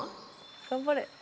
頑張れ。